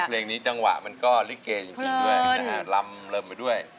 แล้วเพลงนี้จังหวะมันก็ลิกเกงจริงด้วยลำไปด้วย